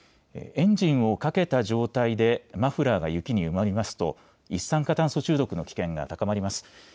エンジンをかけた状態でマフラーが雪に埋まりますと一酸化炭素中毒の危険が高まります。